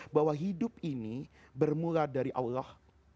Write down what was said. bahwa hidup ini bermula dari allah